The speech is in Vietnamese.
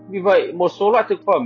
vì vậy một số loại thực phẩm